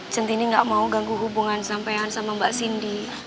cintinik gak mau ganggu hubungan sampean sama mbak sindi